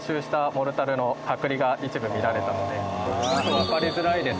わかりづらいです。